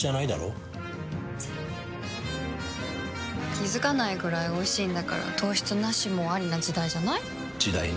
気付かないくらいおいしいんだから糖質ナシもアリな時代じゃない？時代ね。